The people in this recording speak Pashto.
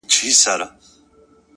راوړم سکروټې تر دې لویي بنگلي پوري؛